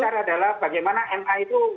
dasar adalah bagaimana ma itu